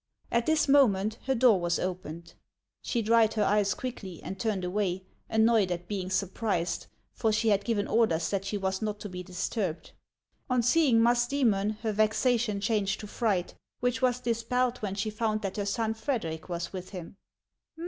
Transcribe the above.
At this moment her door was opened. She dried her eyes quickly, and turned away, annoyed at being sur prised, for she had given orders that she was not to be dis turbed. On seeing Musdoemon her vexation changed to fright, which was dispelled when she found that her son Frederic was with him.